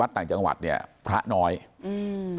ฝ่ายกรเหตุ๗๖ฝ่ายมรณภาพกันแล้ว